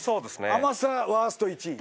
甘さワースト１位